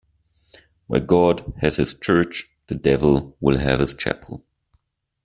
Where God has his church, the devil will have his chapel.